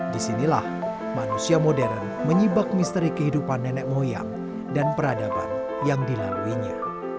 disinilah manusia modern menyibak misteri kehidupan nenek moyang dan peradaban yang dilaluinya